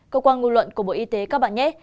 cơ quan ngôn luận của bộ y tế